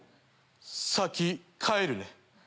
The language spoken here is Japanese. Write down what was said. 先帰るね。